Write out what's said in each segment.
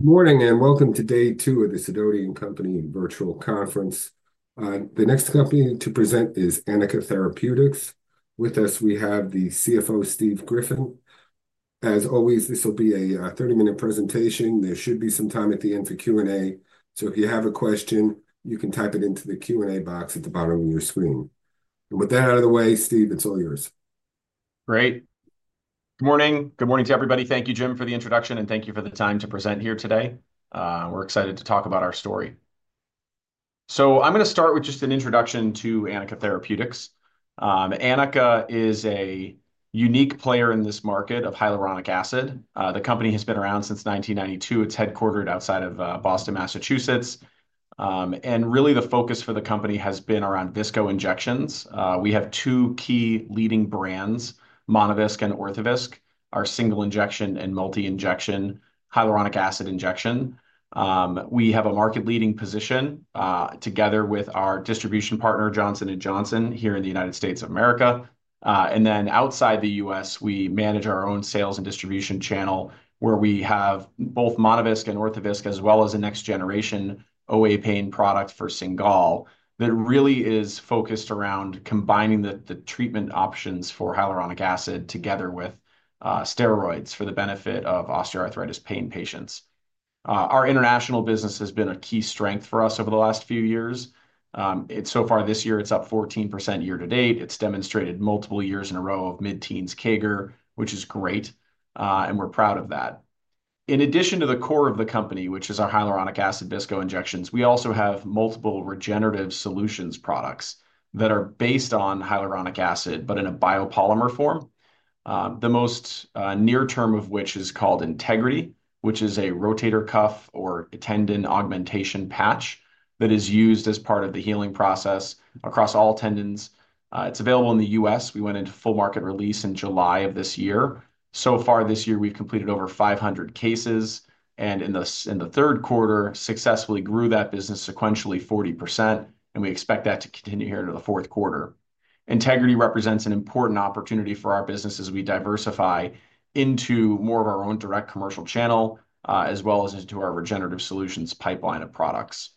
Good morning and welcome to day two of the Sidoti & Company Virtual Conference. The next company to present is Anika Therapeutics. With us, we have the CFO, Steve Griffin. As always, this will be a 30-minute presentation. There should be some time at the end for Q&A, so if you have a question, you can type it into the Q&A box at the bottom of your screen. And with that out of the way, Steve, it's all yours. Great. Good morning. Good morning to everybody. Thank you, Jim, for the introduction, and thank you for the time to present here today. We're excited to talk about our story. So I'm going to start with just an introduction to Anika Therapeutics. Anika is a unique player in this market of hyaluronic acid. The company has been around since 1992. It's headquartered outside of Boston, Massachusetts. And really, the focus for the company has been around visco injections. We have two key leading brands, Monovisc and Orthovisc, our single injection and multi-injection hyaluronic acid injection. We have a market-leading position together with our distribution partner, Johnson & Johnson, here in the United States of America. And then outside the U.S., we manage our own sales and distribution channel where we have both Monovisc and Orthovisc, as well as a next-generation OA pain product for Cingal that really is focused around combining the treatment options for hyaluronic acid together with steroids for the benefit of osteoarthritis pain patients. Our international business has been a key strength for us over the last few years. So far this year, it's up 14% year to date. It's demonstrated multiple years in a row of mid-teens CAGR, which is great, and we're proud of that. In addition to the core of the company, which is our hyaluronic acid visco injections, we also have multiple regenerative solutions products that are based on hyaluronic acid but in a biopolymer form, the most near-term of which is called Integrity, which is a rotator cuff or tendon augmentation patch that is used as part of the healing process across all tendons. It's available in the U.S. We went into full market release in July of this year. So far this year, we've completed over 500 cases, and in the third quarter, successfully grew that business sequentially 40%, and we expect that to continue here into the fourth quarter. Integrity represents an important opportunity for our business as we diversify into more of our own direct commercial channel, as well as into our regenerative solutions pipeline of products.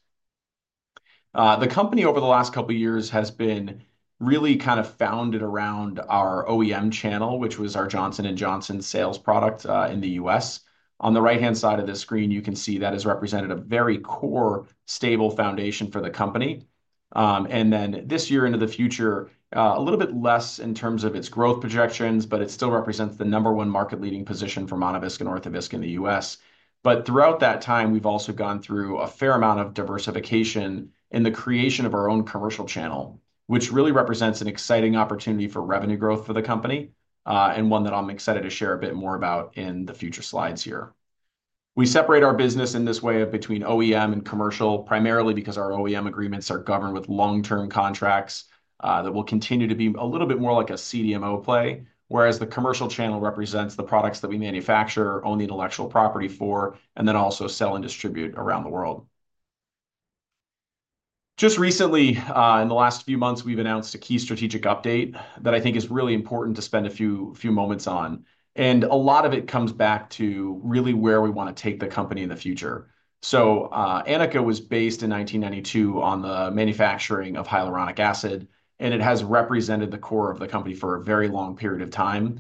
The company, over the last couple of years, has been really kind of founded around our OEM channel, which was our Johnson & Johnson sales product in the U.S. On the right-hand side of the screen, you can see that is represented a very core, stable foundation for the company. And then this year into the future, a little bit less in terms of its growth projections, but it still represents the number one market-leading position for Monovisc and Orthovisc in the U.S. But throughout that time, we've also gone through a fair amount of diversification in the creation of our own commercial channel, which really represents an exciting opportunity for revenue growth for the company, and one that I'm excited to share a bit more about in the future slides here. We separate our business in this way between OEM and commercial, primarily because our OEM agreements are governed with long-term contracts that will continue to be a little bit more like a CDMO play, whereas the commercial channel represents the products that we manufacture, own the intellectual property for, and then also sell and distribute around the world. Just recently, in the last few months, we've announced a key strategic update that I think is really important to spend a few moments on. And a lot of it comes back to really where we want to take the company in the future. So Anika was based in 1992 on the manufacturing of hyaluronic acid, and it has represented the core of the company for a very long period of time.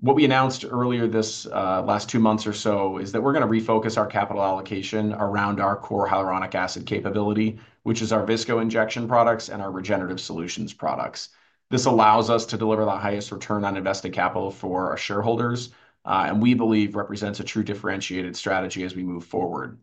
What we announced earlier this last two months or so is that we're going to refocus our capital allocation around our core hyaluronic acid capability, which is our visco injection products and our regenerative solutions products. This allows us to deliver the highest return on invested capital for our shareholders, and we believe represents a true differentiated strategy as we move forward.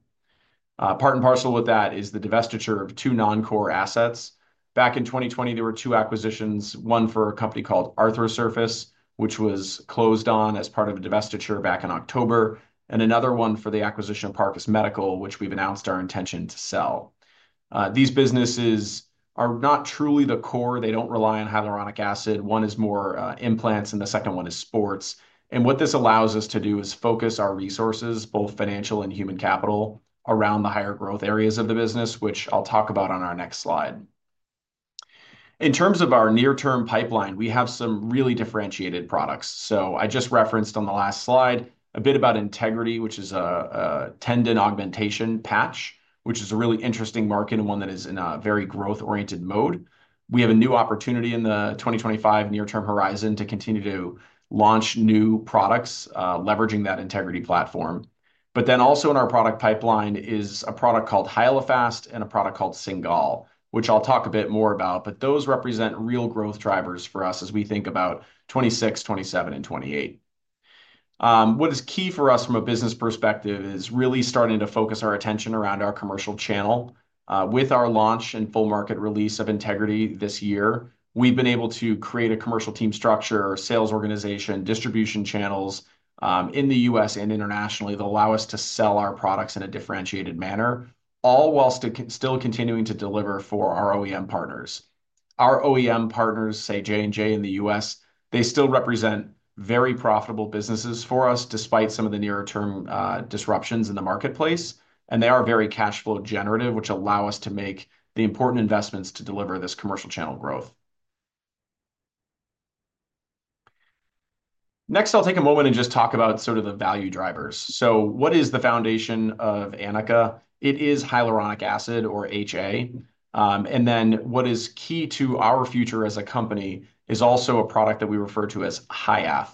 Part and parcel with that is the divestiture of two non-core assets. Back in 2020, there were two acquisitions, one for a company called Arthrosurface, which was closed on as part of a divestiture back in October, and another one for the acquisition of Parcus Medical, which we've announced our intention to sell. These businesses are not truly the core. They don't rely on hyaluronic acid. One is more implants, and the second one is sports. What this allows us to do is focus our resources, both financial and human capital, around the higher growth areas of the business, which I'll talk about on our next slide. In terms of our near-term pipeline, we have some really differentiated products. I just referenced on the last slide a bit about Integrity, which is a tendon augmentation patch, which is a really interesting market and one that is in a very growth-oriented mode. We have a new opportunity in the 2025 near-term horizon to continue to launch new products leveraging that Integrity platform. Then also in our product pipeline is a product called Hyalofast and a product called Cingal, which I'll talk a bit more about, but those represent real growth drivers for us as we think about 2026, 2027, and 2028. What is key for us from a business perspective is really starting to focus our attention around our commercial channel. With our launch and full market release of Integrity this year, we've been able to create a commercial team structure, sales organization, distribution channels in the U.S. and internationally that allow us to sell our products in a differentiated manner, all while still continuing to deliver for our OEM partners. Our OEM partners, say J&J in the U.S., they still represent very profitable businesses for us despite some of the near-term disruptions in the marketplace, and they are very cash flow generative, which allow us to make the important investments to deliver this commercial channel growth. Next, I'll take a moment and just talk about sort of the value drivers. What is the foundation of Anika? It is hyaluronic acid or HA. And then what is key to our future as a company is also a product that we refer to as HYAFF.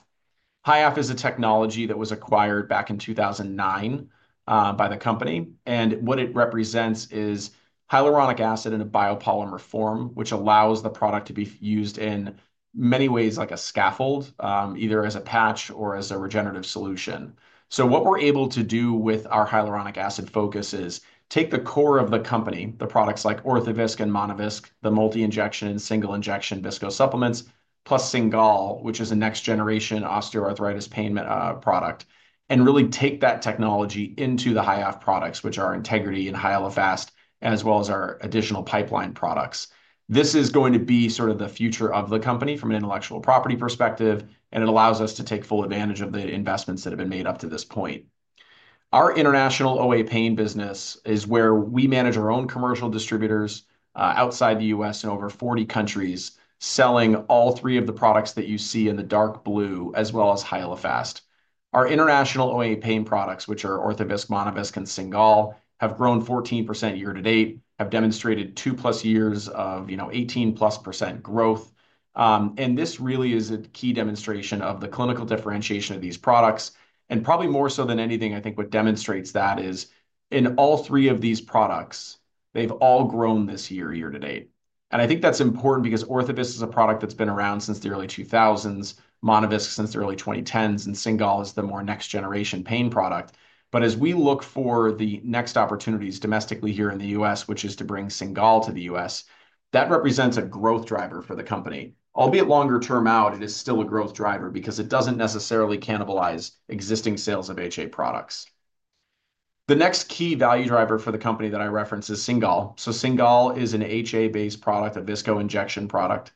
HYAFF is a technology that was acquired back in 2009 by the company. And what it represents is hyaluronic acid in a biopolymer form, which allows the product to be used in many ways like a scaffold, either as a patch or as a regenerative solution. So what we're able to do with our hyaluronic acid focus is take the core of the company, the products like Orthovisc and Monovisc, the multi-injection, single injection viscosupplements, plus Cingal, which is a next-generation osteoarthritis pain product, and really take that technology into the HYAFF products, which are Integrity and Hyalofast, as well as our additional pipeline products. This is going to be sort of the future of the company from an intellectual property perspective, and it allows us to take full advantage of the investments that have been made up to this point. Our international OA pain business is where we manage our own commercial distributors outside the U.S. in over 40 countries selling all three of the products that you see in the dark blue, as well as Hyalofast. Our international OA pain products, which are Orthovisc, Monovisc, and Cingal, have grown 14% year to date, have demonstrated 2+ years of 18+% growth. And this really is a key demonstration of the clinical differentiation of these products. And probably more so than anything, I think what demonstrates that is in all three of these products, they've all grown this year year to date. And I think that's important because Orthovisc is a product that's been around since the early 2000s, Monovisc since the early 2010s, and Cingal is the more next-generation pain product. But as we look for the next opportunities domestically here in the U.S., which is to bring Cingal to the U.S., that represents a growth driver for the company. Albeit longer term out, it is still a growth driver because it doesn't necessarily cannibalize existing sales of HA products. The next key value driver for the company that I reference is Cingal. So Cingal is an HA-based product, a visco injection product.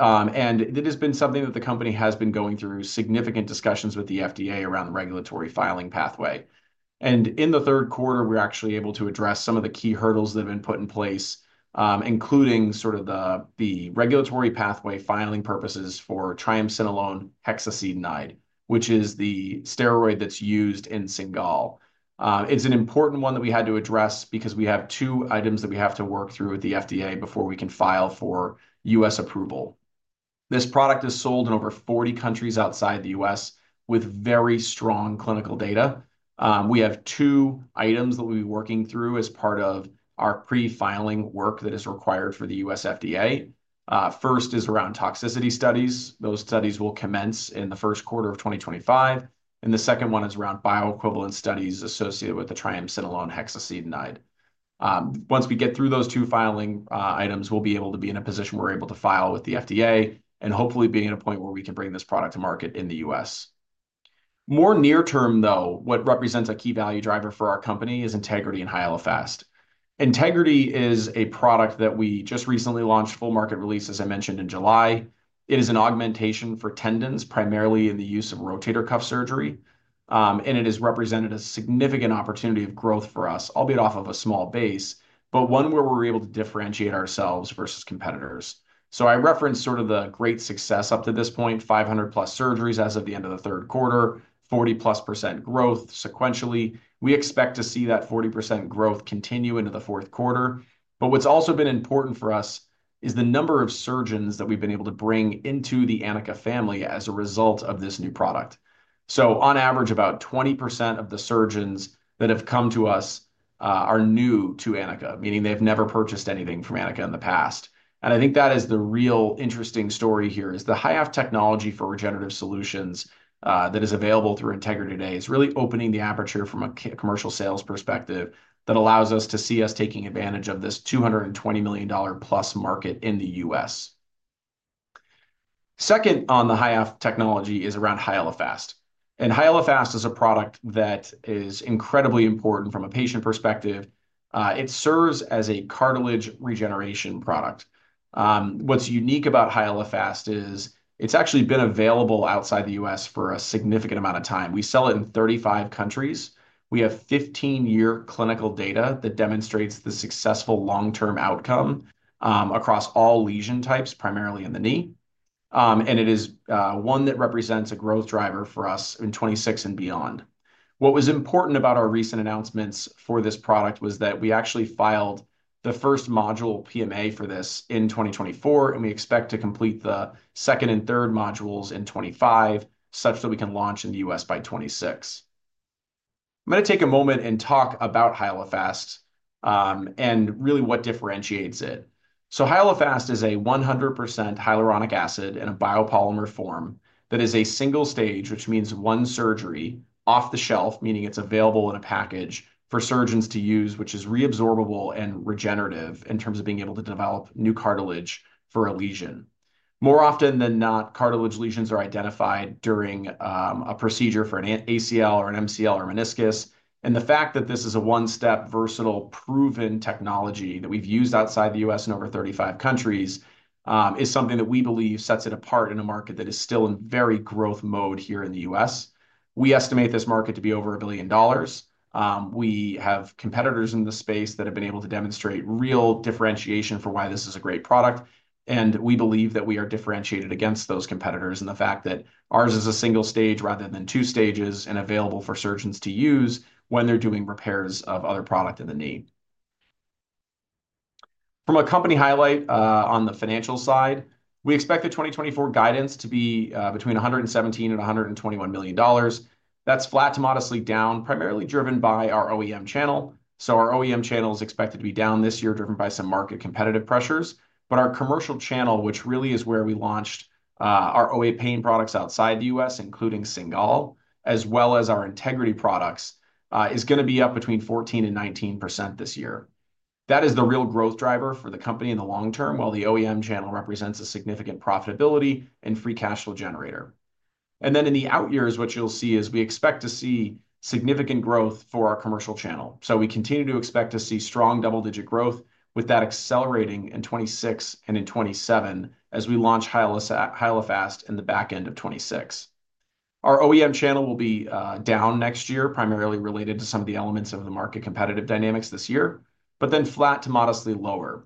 And it has been something that the company has been going through significant discussions with the FDA around the regulatory filing pathway. In the third quarter, we're actually able to address some of the key hurdles that have been put in place, including sort of the regulatory pathway filing purposes for triamcinolone hexacetonide, which is the steroid that's used in Cingal. It's an important one that we had to address because we have two items that we have to work through with the FDA before we can file for U.S. approval. This product is sold in over 40 countries outside the U.S. with very strong clinical data. We have two items that we'll be working through as part of our pre-filing work that is required for the U.S. FDA. First is around toxicity studies. Those studies will commence in the first quarter of 2025. The second one is around bioequivalence studies associated with the triamcinolone hexacetonide. Once we get through those two filing items, we'll be able to be in a position where we're able to file with the FDA and hopefully be in a point where we can bring this product to market in the U.S. More near-term, though, what represents a key value driver for our company is Integrity and Hyalofast. Integrity is a product that we just recently launched full market release, as I mentioned, in July. It is an augmentation for tendons, primarily in the use of rotator cuff surgery, and it is represented a significant opportunity of growth for us, albeit off of a small base, but one where we're able to differentiate ourselves versus competitors, so I referenced sort of the great success up to this point, 500+ surgeries as of the end of the third quarter, 40+% growth sequentially. We expect to see that 40% growth continue into the fourth quarter. But what's also been important for us is the number of surgeons that we've been able to bring into the Anika family as a result of this new product. So on average, about 20% of the surgeons that have come to us are new to Anika, meaning they've never purchased anything from Anika in the past. And I think that is the real interesting story here is the HYAFF technology for regenerative solutions that is available through Integrity today is really opening the aperture from a commercial sales perspective that allows us to see us taking advantage of this $220+ million market in the U.S. Second on the HYAFF technology is around Hyalofast. And Hyalofast is a product that is incredibly important from a patient perspective. It serves as a cartilage regeneration product. What's unique about Hyalofast is it's actually been available outside the U.S. for a significant amount of time. We sell it in 35 countries. We have 15-year clinical data that demonstrates the successful long-term outcome across all lesion types, primarily in the knee, and it is one that represents a growth driver for us in 2026 and beyond. What was important about our recent announcements for this product was that we actually filed the first module PMA for this in 2024, and we expect to complete the second and third modules in 2025 such that we can launch in the U.S. by 2026. I'm going to take a moment and talk about Hyalofast and really what differentiates it. Hyalofast is a 100% hyaluronic acid in a biopolymer form that is a single stage, which means one surgery off-the-shelf, meaning it's available in a package for surgeons to use, which is reabsorbable and regenerative in terms of being able to develop new cartilage for a lesion. More often than not, cartilage lesions are identified during a procedure for an ACL or an MCL or meniscus. And the fact that this is a one-step, versatile, proven technology that we've used outside the U.S. in over 35 countries is something that we believe sets it apart in a market that is still in very growth mode here in the U.S. We estimate this market to be over $1 billion. We have competitors in the space that have been able to demonstrate real differentiation for why this is a great product. We believe that we are differentiated against those competitors in the fact that ours is a single stage rather than two stages and available for surgeons to use when they're doing repairs of other product in the knee. From a company highlight on the financial side, we expect the 2024 guidance to be between $117 million and $121 million. That's flat to modestly down, primarily driven by our OEM channel. Our OEM channel is expected to be down this year, driven by some market competitive pressures. Our commercial channel, which really is where we launched our OA pain products outside the U.S., including Cingal, as well as our Integrity products, is going to be up between 14% and 19% this year. That is the real growth driver for the company in the long-term, while the OEM channel represents a significant profitability and free cash flow generator. And then in the out years, what you'll see is we expect to see significant growth for our commercial channel. So we continue to expect to see strong double-digit growth with that accelerating in 2026 and in 2027 as we launch Hyalofast in the back end of 2026. Our OEM channel will be down next year, primarily related to some of the elements of the market competitive dynamics this year, but then flat to modestly lower.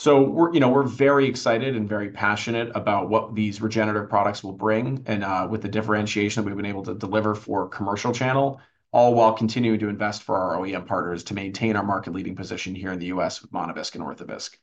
So we're very excited and very passionate about what these regenerative products will bring and with the differentiation that we've been able to deliver for commercial channel, all while continuing to invest for our OEM partners to maintain our market-leading position here in the U.S. with Monovisc and Orthovisc.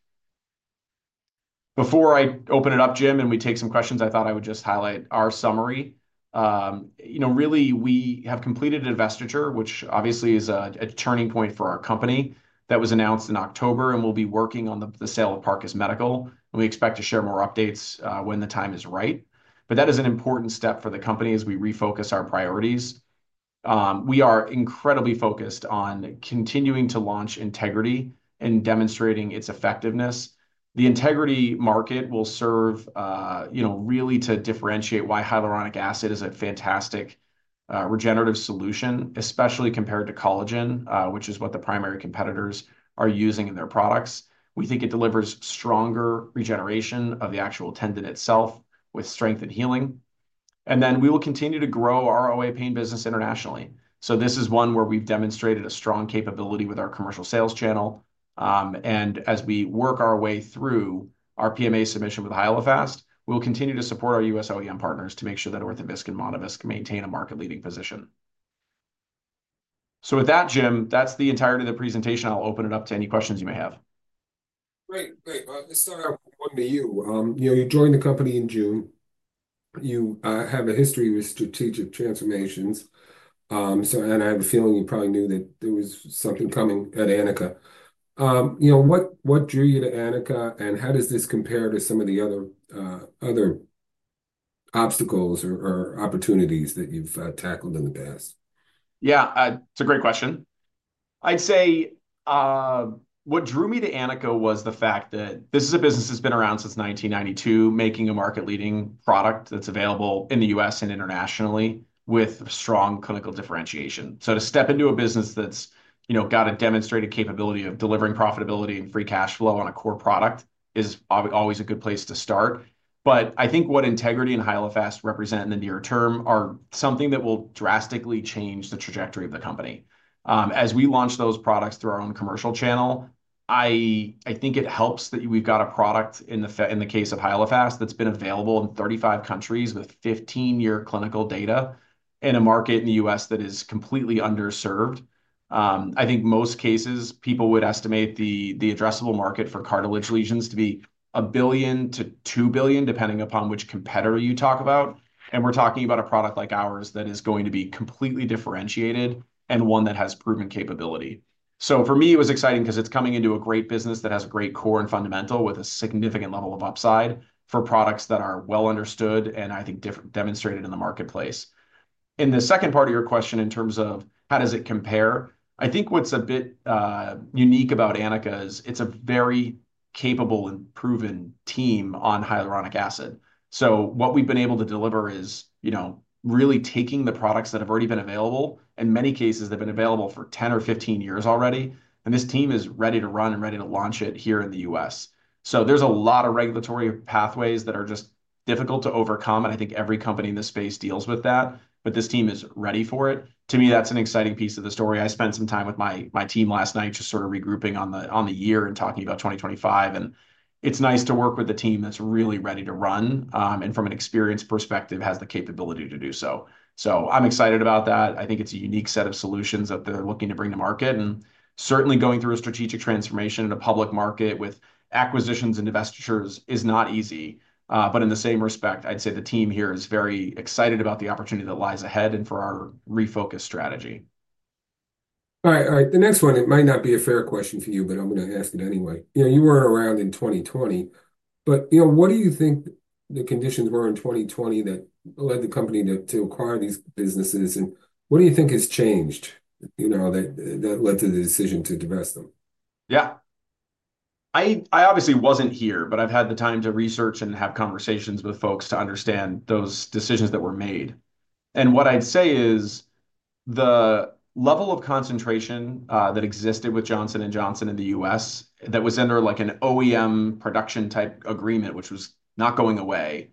Before I open it up, Jim, and we take some questions, I thought I would just highlight our summary. Really, we have completed divestiture, which obviously is a turning point for our company that was announced in October, and we'll be working on the sale of Parcus Medical, and we expect to share more updates when the time is right, but that is an important step for the company as we refocus our priorities. We are incredibly focused on continuing to launch Integrity and demonstrating its effectiveness. The Integrity market will serve really to differentiate why hyaluronic acid is a fantastic regenerative solution, especially compared to collagen, which is what the primary competitors are using in their products. We think it delivers stronger regeneration of the actual tendon itself with strength and healing, and then we will continue to grow our OA pain business internationally, so this is one where we've demonstrated a strong capability with our commercial sales channel. And as we work our way through our PMA submission with Hyalofast, we'll continue to support our U.S. OEM partners to make sure that Orthovisc and Monovisc maintain a market-leading position. So with that, Jim, that's the entirety of the presentation. I'll open it up to any questions you may have. Great. Great. Let's start off with one to you. You joined the company in June. You have a history with strategic transformations. And I have a feeling you probably knew that there was something coming at Anika. What drew you to Anika, and how does this compare to some of the other obstacles or opportunities that you've tackled in the past? Yeah, it's a great question. I'd say what drew me to Anika was the fact that this is a business that's been around since 1992, making a market-leading product that's available in the U.S. and internationally with strong clinical differentiation. So to step into a business that's got a demonstrated capability of delivering profitability and free cash flow on a core product is always a good place to start, but I think what Integrity and Hyalofast represent in the near-term are something that will drastically change the trajectory of the company. As we launch those products through our own commercial channel, I think it helps that we've got a product in the case of Hyalofast that's been available in 35 countries with 15-year clinical data in a market in the U.S. that is completely underserved. I think most cases, people would estimate the addressable market for cartilage lesions to be $1 billion-$2 billion, depending upon which competitor you talk about. And we're talking about a product like ours that is going to be completely differentiated and one that has proven capability. So for me, it was exciting because it's coming into a great business that has a great core and fundamental with a significant level of upside for products that are well-understood and I think demonstrated in the marketplace. In the second part of your question in terms of how does it compare, I think what's a bit unique about Anika is it's a very capable and proven team on hyaluronic acid. So what we've been able to deliver is really taking the products that have already been available. In many cases, they've been available for 10 or 15 years already. And this team is ready to run and ready to launch it here in the U.S. So there's a lot of regulatory pathways that are just difficult to overcome. And I think every company in this space deals with that. But this team is ready for it. To me, that's an exciting piece of the story. I spent some time with my team last night just sort of regrouping on the year and talking about 2025. And it's nice to work with a team that's really ready to run and from an experienced perspective has the capability to do so. So I'm excited about that. I think it's a unique set of solutions that they're looking to bring to market. And certainly going through a strategic transformation in a public market with acquisitions and divestitures is not easy. But in the same respect, I'd say the team here is very excited about the opportunity that lies ahead and for our refocus strategy. All right. All right. The next one, it might not be a fair question for you, but I'm going to ask it anyway. You were around in 2020. But what do you think the conditions were in 2020 that led the company to acquire these businesses? And what do you think has changed that led to the decision to divest them? Yeah. I obviously wasn't here, but I've had the time to research and have conversations with folks to understand those decisions that were made. And what I'd say is the level of concentration that existed with Johnson & Johnson in the U.S. that was under an OEM production type agreement, which was not going away,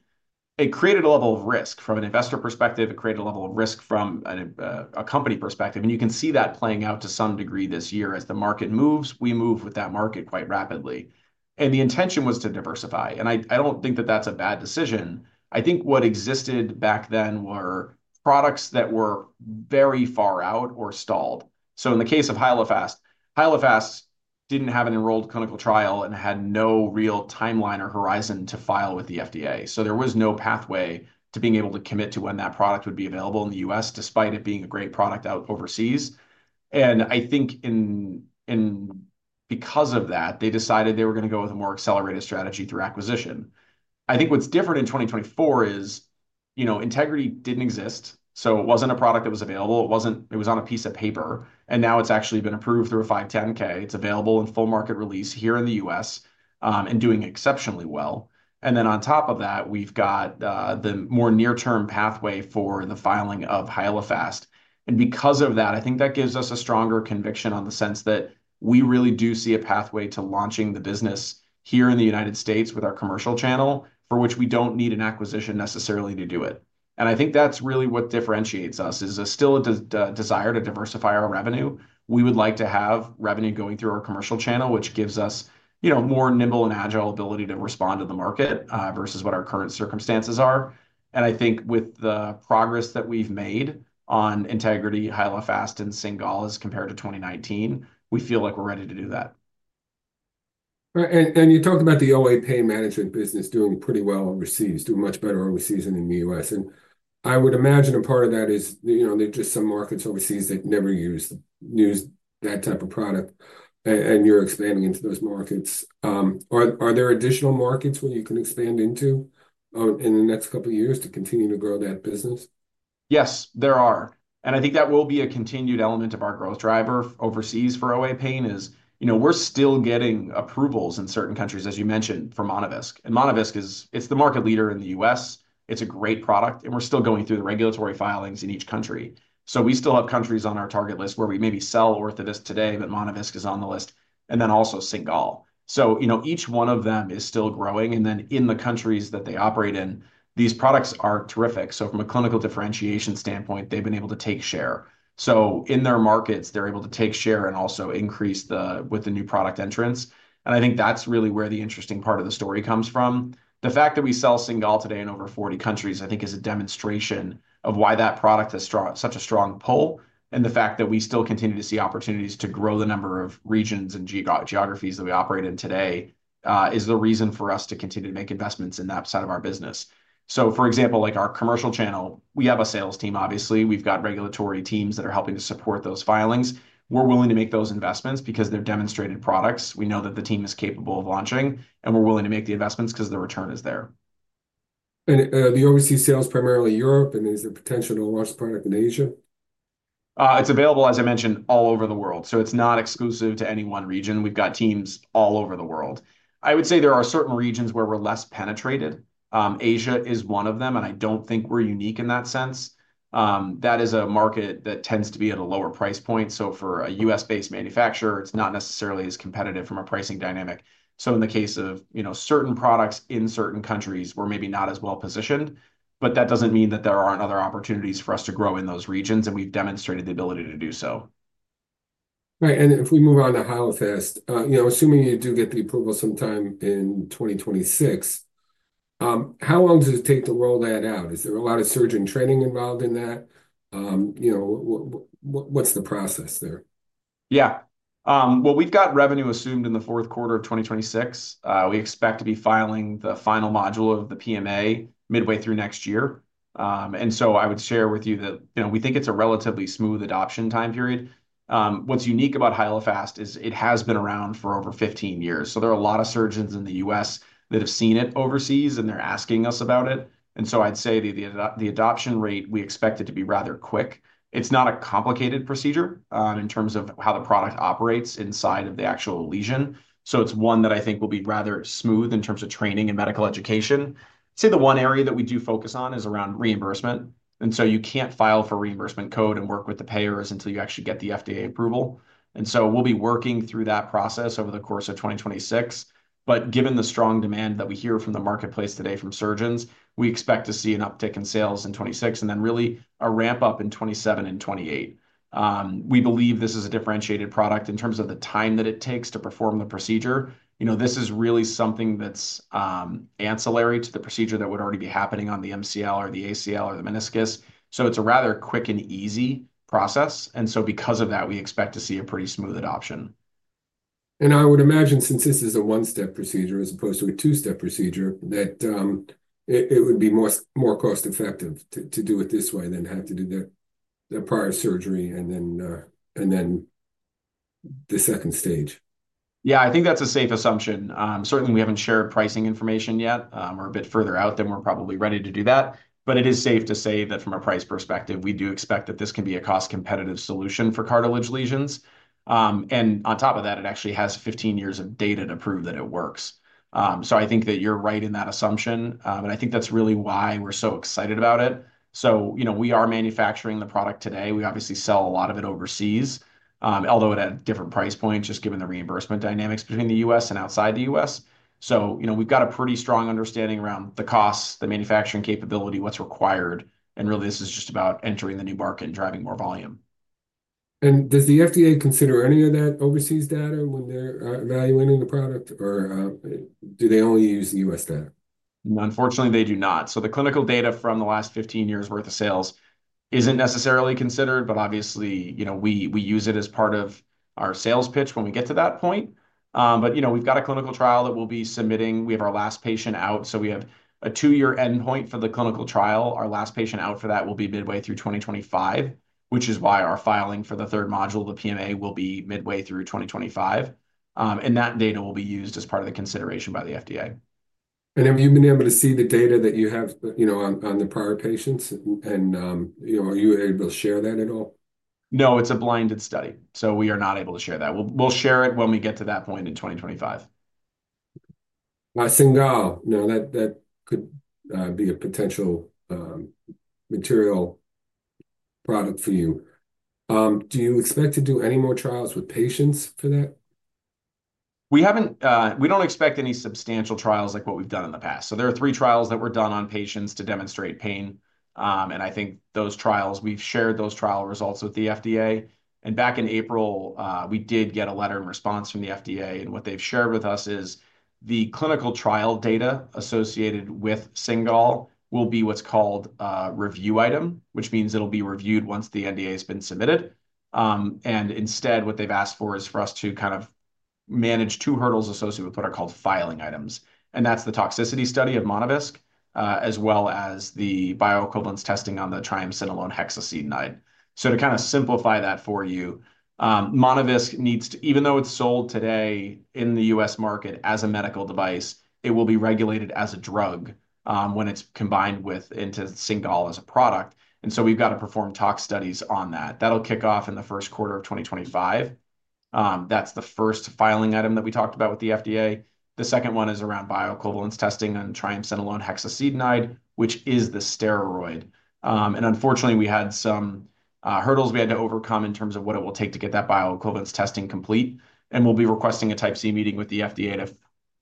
it created a level of risk from an investor perspective. It created a level of risk from a company perspective, and you can see that playing out to some degree this year as the market moves. We move with that market quite rapidly, and the intention was to diversify, and I don't think that that's a bad decision. I think what existed back then were products that were very far out or stalled, so in the case of Hyalofast, Hyalofast didn't have an enrolled clinical trial and had no real timeline or horizon to file with the FDA. So there was no pathway to being able to commit to when that product would be available in the U.S., despite it being a great product out overseas, and I think because of that, they decided they were going to go with a more accelerated strategy through acquisition. I think what's different in 2024 is Integrity didn't exist. So it wasn't a product that was available. It was on a piece of paper. And now it's actually been approved through a 510(k). It's available in full market release here in the U.S. and doing exceptionally well. And then on top of that, we've got the more near-term pathway for the filing of Hyalofast. And because of that, I think that gives us a stronger conviction on the sense that we really do see a pathway to launching the business here in the United States with our commercial channel, for which we don't need an acquisition necessarily to do it. And I think that's really what differentiates us is still a desire to diversify our revenue. We would like to have revenue going through our commercial channel, which gives us more nimble and agile ability to respond to the market versus what our current circumstances are. And I think with the progress that we've made on Integrity, Hyalofast, and Cingal as compared to 2019, we feel like we're ready to do that. And you talked about the OA pain management business doing pretty well overseas, doing much better overseas than in the U.S. And I would imagine a part of that is there are just some markets overseas that never use that type of product, and you're expanding into those markets. Are there additional markets where you can expand into in the next couple of years to continue to grow that business? Yes, there are. And I think that will be a continued element of our growth driver overseas for OA pain is we're still getting approvals in certain countries, as you mentioned, for Monovisc. And Monovisc, it's the market leader in the U.S. It's a great product. And we're still going through the regulatory filings in each country. So we still have countries on our target list where we maybe sell Orthovisc today, but Monovisc is on the list, and then also Cingal. So each one of them is still growing. And then in the countries that they operate in, these products are terrific. So from a clinical differentiation standpoint, they've been able to take share. So in their markets, they're able to take share and also increase with the new product entrance. And I think that's really where the interesting part of the story comes from. The fact that we sell Cingal today in over 40 countries, I think, is a demonstration of why that product has such a strong pull. The fact that we still continue to see opportunities to grow the number of regions and geographies that we operate in today is the reason for us to continue to make investments in that side of our business. For example, our commercial channel, we have a sales team, obviously. We've got regulatory teams that are helping to support those filings. We're willing to make those investments because they're demonstrated products. We know that the team is capable of launching, and we're willing to make the investments because the return is there. The overseas sales primarily Europe, and is there potential to launch product in Asia? It's available, as I mentioned, all over the world. It's not exclusive to any one region. We've got teams all over the world. I would say there are certain regions where we're less penetrated. Asia is one of them, and I don't think we're unique in that sense. That is a market that tends to be at a lower price point. So for a U.S.-based manufacturer, it's not necessarily as competitive from a pricing dynamic. So in the case of certain products in certain countries, we're maybe not as well-positioned. But that doesn't mean that there aren't other opportunities for us to grow in those regions, and we've demonstrated the ability to do so. Right. And if we move on to Hyalofast, assuming you do get the approval sometime in 2026, how long does it take to roll that out? Is there a lot of surgeon training involved in that? What's the process there? Yeah. Well, we've got revenue assumed in the fourth quarter of 2026. We expect to be filing the final module of the PMA midway through next year. And so I would share with you that we think it's a relatively smooth adoption time period. What's unique about Hyalofast is it has been around for over 15 years. So there are a lot of surgeons in the U.S. that have seen it overseas, and they're asking us about it. And so I'd say the adoption rate, we expect it to be rather quick. It's not a complicated procedure in terms of how the product operates inside of the actual lesion. So it's one that I think will be rather smooth in terms of training and medical education. I'd say the one area that we do focus on is around reimbursement. And so you can't file for reimbursement code and work with the payers until you actually get the FDA approval. And so we'll be working through that process over the course of 2026. But given the strong demand that we hear from the marketplace today from surgeons, we expect to see an uptick in sales in 2026 and then really a ramp up in 2027 and 2028. We believe this is a differentiated product in terms of the time that it takes to perform the procedure. This is really something that's ancillary to the procedure that would already be happening on the MCL or the ACL or the meniscus. So it's a rather quick and easy process. And so because of that, we expect to see a pretty smooth adoption. And I would imagine since this is a one-step procedure as opposed to a two-step procedure, that it would be more cost-effective to do it this way than have to do the prior surgery and then the second stage. Yeah, I think that's a safe assumption. Certainly, we haven't shared pricing information yet. We're a bit further out than we're probably ready to do that. But it is safe to say that from a price perspective, we do expect that this can be a cost-competitive solution for cartilage lesions. And on top of that, it actually has 15 years of data to prove that it works. So I think that you're right in that assumption. And I think that's really why we're so excited about it. So we are manufacturing the product today. We obviously sell a lot of it overseas, although at a different price point, just given the reimbursement dynamics between the U.S. and outside the U.S. So we've got a pretty strong understanding around the costs, the manufacturing capability, what's required. And really, this is just about entering the new market and driving more volume. Does the FDA consider any of that overseas data when they're evaluating the product, or do they only use the U.S. data? Unfortunately, they do not. The clinical data from the last 15 years' worth of sales isn't necessarily considered, but obviously, we use it as part of our sales pitch when we get to that point. We've got a clinical trial that we'll be submitting. We have our last patient out. We have a two-year endpoint for the clinical trial. Our last patient out for that will be midway through 2025, which is why our filing for the third module, the PMA, will be midway through 2025. That data will be used as part of the consideration by the FDA. Have you been able to see the data that you have on the prior patients? And are you able to share that at all? No, it's a blinded study. So we are not able to share that. We'll share it when we get to that point in 2025. Cingal, now that could be a potential material product for you. Do you expect to do any more trials with patients for that? We don't expect any substantial trials like what we've done in the past. So there are three trials that were done on patients to demonstrate pain. And I think those trials, we've shared those trial results with the FDA. And back in April, we did get a letter in response from the FDA. And what they've shared with us is the clinical trial data associated with Cingal will be what's called a review item, which means it'll be reviewed once the NDA has been submitted. And instead, what they've asked for is for us to kind of manage two hurdles associated with what are called filing items. And that's the toxicity study of Monovisc, as well as the bioequivalence testing on the triamcinolone hexacetonide. So to kind of simplify that for you, Monovisc needs to, even though it's sold today in the U.S. market as a medical device, it will be regulated as a drug when it's combined into Cingal as a product. And so we've got to perform tox studies on that. That'll kick off in the first quarter of 2025. That's the first filing item that we talked about with the FDA. The second one is around bioequivalence testing on triamcinolone hexacetonide, which is the steroid. And unfortunately, we had some hurdles we had to overcome in terms of what it will take to get that bioequivalence testing complete. We'll be requesting a Type C meeting with the FDA to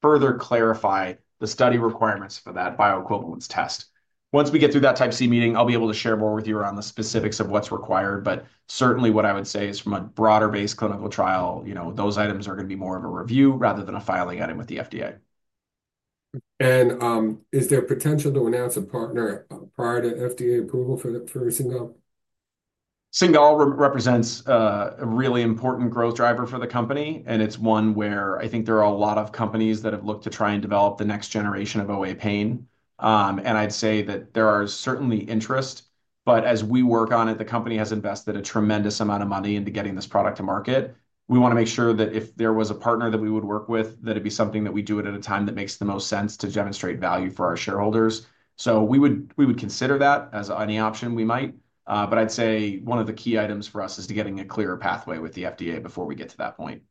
further clarify the study requirements for that bioequivalence test. Once we get through that Type C meeting, I'll be able to share more with you around the specifics of what's required. Certainly, what I would say is from a broader-based clinical trial, those items are going to be more of a review rather than a filing item with the FDA. Is there potential to announce a partner prior to FDA approval for Cingal? Cingal represents a really important growth driver for the company. It's one where I think there are a lot of companies that have looked to try and develop the next generation of OA pain. I'd say that there is certainly interest. But as we work on it, the company has invested a tremendous amount of money into getting this product to market. We want to make sure that if there was a partner that we would work with, that it'd be something that we do at a time that makes the most sense to demonstrate value for our shareholders. So we would consider that as any option we might. But I'd say one of the key items for us is getting a clear pathway with the FDA before we get to that point.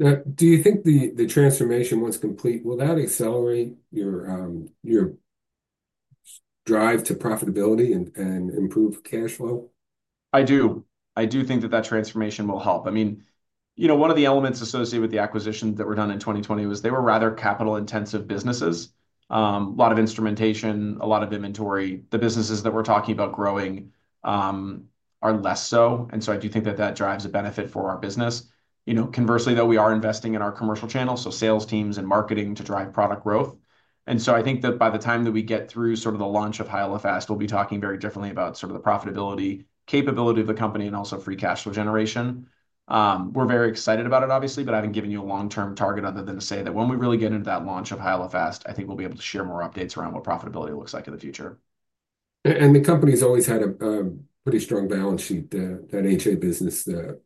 Do you think the transformation, once complete, will that accelerate your drive to profitability and improve cash flow? I do. I do think that that transformation will help. I mean, one of the elements associated with the acquisition that were done in 2020 was they were rather capital-intensive businesses. A lot of instrumentation, a lot of inventory. The businesses that we're talking about growing are less so. So I do think that that drives a benefit for our business. Conversely, though, we are investing in our commercial channel, so sales teams and marketing to drive product growth. I think that by the time that we get through sort of the launch of Hyalofast, we'll be talking very differently about sort of the profitability, capability of the company, and also free cash flow generation. We're very excited about it, obviously, but I haven't given you a long-term target other than to say that when we really get into that launch of Hyalofast, I think we'll be able to share more updates around what profitability looks like in the future. The company's always had a pretty strong balance sheet. That HA business, the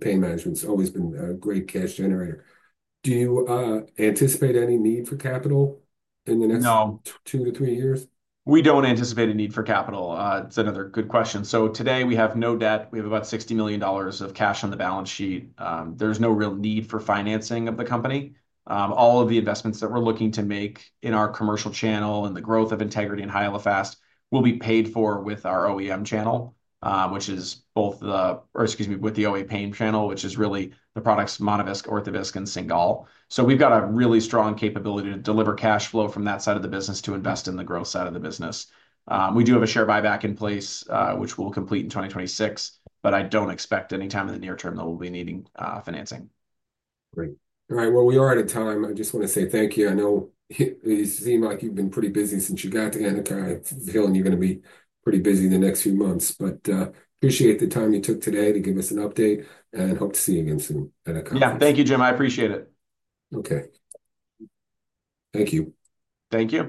pain management, has always been a great cash generator. Do you anticipate any need for capital in the next two to three years? We don't anticipate a need for capital. It's another good question. So today, we have no debt. We have about $60 million of cash on the balance sheet. There's no real need for financing of the company. All of the investments that we're looking to make in our commercial channel and the growth of Integrity and Hyalofast will be paid for with our OEM channel, which is both the, or excuse me, with the OA pain channel, which is really the products Monovisc, Orthovisc, and Cingal. So we've got a really strong capability to deliver cash flow from that side of the business to invest in the growth side of the business. We do have a share buyback in place, which we'll complete in 2026, but I don't expect any time in the near-term that we'll be needing financing. Great. All right. Well, we are out of time. I just want to say thank you. I know it seemed like you've been pretty busy since you got to Anika. I feel you're going to be pretty busy in the next few months. But appreciate the time you took today to give us an update and hope to see you again soon at Anika. Yeah. Thank you, Jim. I appreciate it. Okay. Thank you. Thank you.